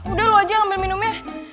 udah lo aja ambil minumnya